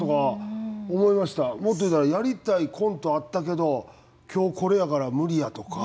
もっと言ったらやりたいコントあったけど今日これやから無理やとか。